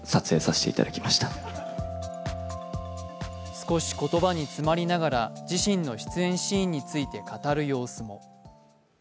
少し言葉に詰まりながら自身の出演シーンについて語る様子も。